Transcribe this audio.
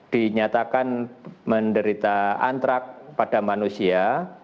di menyatakan menderita antrak pada manusia